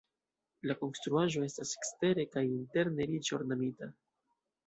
La konstruaĵo estas ekstere kaj interne riĉe ornamita.